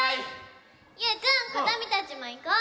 ゆうくんことみたちもいこう！